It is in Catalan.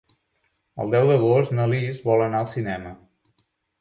El deu d'agost na Lis vol anar al cinema.